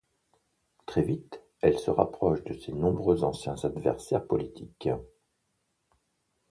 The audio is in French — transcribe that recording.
Très vite elle se rapproche de ses nombreux anciens adversaires politiques.